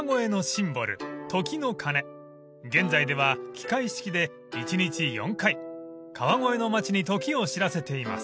［現在では機械式で一日４回川越の町に時を知らせています］